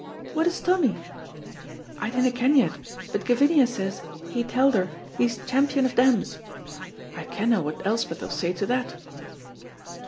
"What is Tommy?" "I dinna ken yet, but Gavinia says he telled her he's Champion of Damns. I kenna what Elspeth'll say to that."